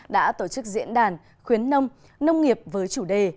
đã tổ chức diễn đàn khuyến nông nông nghiệp với chủ đề